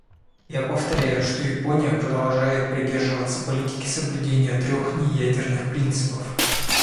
Я повторяю, что Япония продолжает придерживаться политики соблюдения трех неядерных принципов.